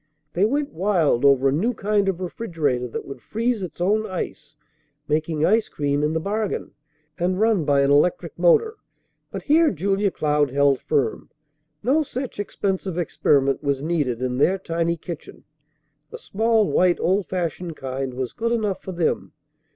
They went wild over a new kind of refrigerator that would freeze its own ice, making ice cream in the bargain, and run by an electric motor; but here Julia Cloud held firm. No such expensive experiment was needed in their tiny kitchen. A small white, old fashioned kind was good enough for them.